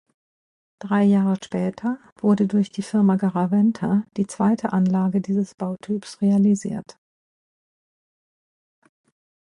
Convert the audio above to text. Drei Jahre später wurde durch die Firma Garaventa die zweite Anlage dieses Bautyps realisiert.